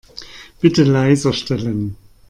Bitte leiser stellen.